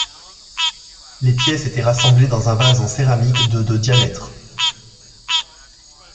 Les pièces étaient rassemblées dans un vase en céramique de de diamètre.